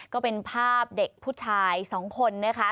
ก็เป็นภาพเด็กผู้ชาย๒คนนะคะ